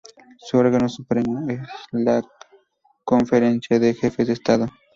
Su órgano supremo es la Conferencia de jefes de Estado.